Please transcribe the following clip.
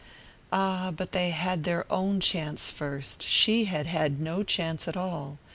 Ah, but they had their own chance first; she had had no chance at all.